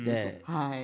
はい。